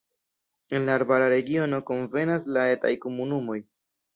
En la arbara regiono konvenas la etaj komunumoj.